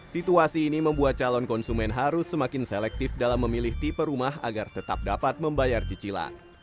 situasi ini membuat calon konsumen harus semakin selektif dalam memilih tipe rumah agar tetap dapat membayar cicilan